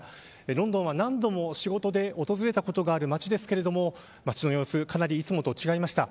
ロンドンは何度も仕事で訪れたことがある街ですけれども街の様子かなり、いつもと違いました。